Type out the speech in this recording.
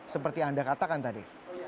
seperti anda katakan tadi